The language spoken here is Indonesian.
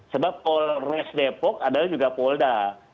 sebab polres depok adalah juga polda